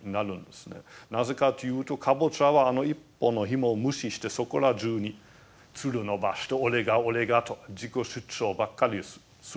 なぜかというとカボチャは一本のひもを無視してそこらじゅうにつる伸ばして俺が俺がと自己主張ばっかりするんですね。